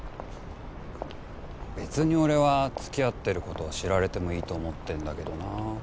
別に俺は付き合ってることを知られてもいいと思ってんだけどなあ